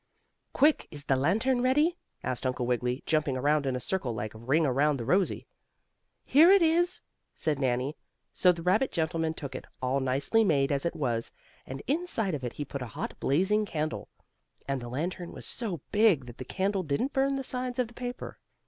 "Quick! is the lantern ready?" Asked Uncle Wiggily, jumping around in a circle like "Ring Around the Rosie." "Here it is," said Nannie. So the rabbit gentleman took it, all nicely made as it was, and inside of it he put a hot, blazing candle. And the lantern was so big that the candle didn't burn the sides of the paper.